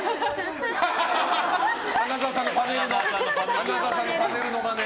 花澤さんのパネルのまね。